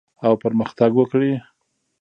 او پرمختګ وکړي.